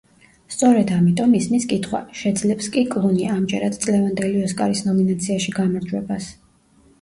სწორედ ამიტომ, ისმის კითხვა: შეძლებს კი კლუნი, ამჯერად, წლევანდელი ოსკარის ნომინაციაში გამარჯვებას?